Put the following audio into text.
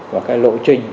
và cái lộ trình